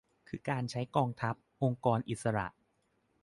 คือการใช้กองทัพ องค์กรอิสระ